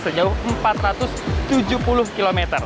sejauh empat ratus tujuh puluh km